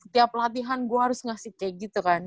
tiap latihan gue harus ngasih kayak gitu kan